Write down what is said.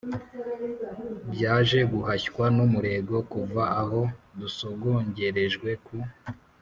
byaje guhashywa n'umurego, kuva aho dusogongerejwe ku